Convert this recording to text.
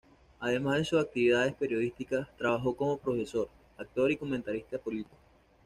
Además de sus actividades periodísticas, trabajó como profesor, actor y comentarista político.